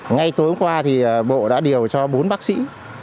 ngay tối qua thì bộ đã điều cho bốn bác sĩ